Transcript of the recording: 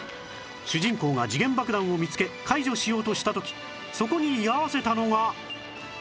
主人公が時限爆弾を見つけ解除しようとした時そこに居合わせたのが